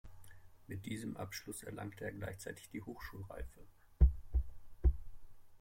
Mit diesem Abschluss erlangte er gleichzeitig die Hochschulreife.